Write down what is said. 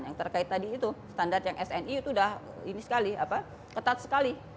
yang terkait tadi itu standar yang sni itu sudah ketat sekali